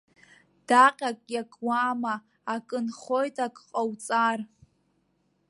Даҟьак иакуама, акы нхоит ак ҟауҵар.